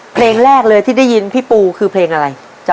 เพลงแรกเลยที่ได้ยินพี่ปูคือเพลงอะไร